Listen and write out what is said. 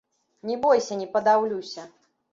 Не бойся, не падаўлюся!